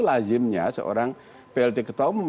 lazimnya seorang plt ketua umum